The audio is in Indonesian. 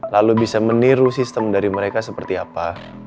lalu bisa meniru sistem dari mereka seperti apa